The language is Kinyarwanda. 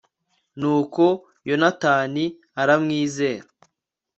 nuko yonatani aramwizera